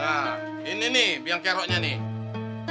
nah ini nih biang keroknya nih